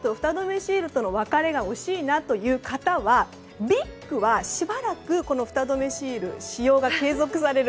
シールとの別れが惜しいなという方はＢＩＧはしばらく、フタ止めシールの使用が継続される。